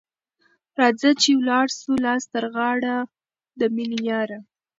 راځه چي ولاړ سو لاس تر غاړه ، د میني یاره